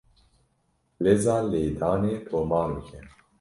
Leza lêdanê tomar bike.